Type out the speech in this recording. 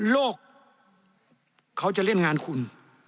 เขาจะเล่นงานคุณ